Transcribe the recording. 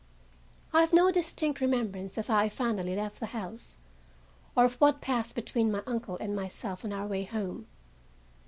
I have no distinct remembrance of how I finally left the house, or of what passed between my uncle and myself on our way home.